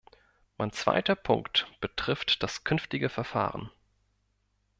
Mein zweiter Punkt betrifft das künftige Verfahren.